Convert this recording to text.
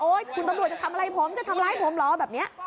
คุณตำรวจจะทำอะไรผมจะทำร้ายผมเหรอแบบนี้